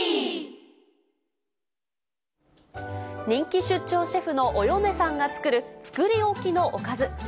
人気出張シェフのおよねさんが作る、作り置きのおかず。